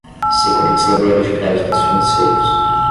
Securitizadora de Créditos Financeiros